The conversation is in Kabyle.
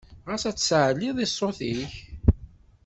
Ɣas ad tsaɛliḍ i ṣṣut-ik?